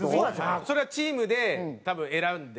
それはチームで多分選んで。